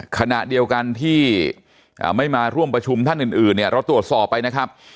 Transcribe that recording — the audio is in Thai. ขณะเดียวกันที่ไม่มาร่วมประชุมท่านอื่นเนี่ยเราตรวจสอบไปนะครับ